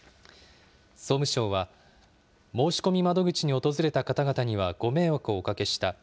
総務省は、申し込み窓口に訪れた方々にはご迷惑をおかけした。